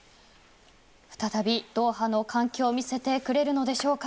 再びドーハの歓喜を見せてくれるのでしょうか。